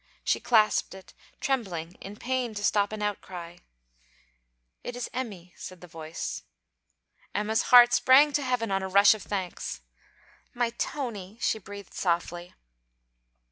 She clasped it, trembling, in pain to stop an outcry. 'It is Emmy,' said the voice. Emma's heart sprang to heaven on a rush of thanks. 'My Tony,' she breathed softly.